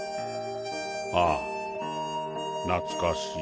ああ懐かしい。